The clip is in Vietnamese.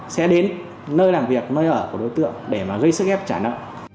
sẽ đến nơi làm việc nơi ở của đối tượng để gây sức ép trả nợ